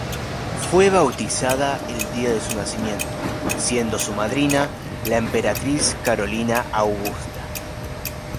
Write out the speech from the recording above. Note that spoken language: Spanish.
Fue bautizada el día de su nacimiento, siendo su madrina la emperatriz Carolina Augusta.